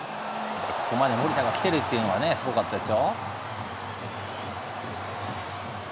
ここまで守田がきてるっていうのは、すごかったですよ。